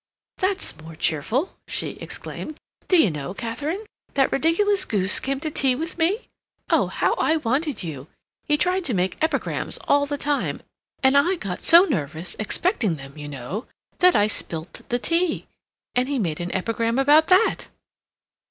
"That's more cheerful," she exclaimed. "D'you know, Katharine, that ridiculous goose came to tea with me? Oh, how I wanted you! He tried to make epigrams all the time, and I got so nervous, expecting them, you know, that I spilt the tea—and he made an epigram about that!"